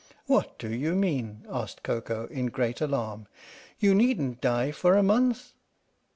"What do you mean?" asked Koko in great alarm. " You needn't die for a month